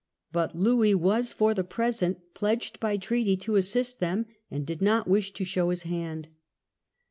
* But Louis was, for the present, pledged by treaty to assist them, and did not wish to show his hand.